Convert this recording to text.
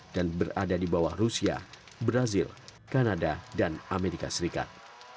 dan berada di bawah rusia brazil kanada dan amerika serikat